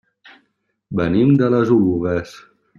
Venim de les Oluges.